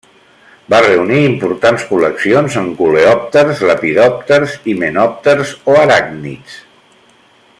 Va reunir importants col·leccions en coleòpters, lepidòpters, himenòpters o aràcnids.